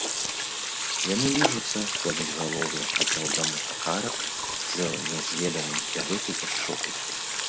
Яны ліжуцца, кладуць галовы адно аднаму на карак з нязведанай дагэтуль пяшчотай.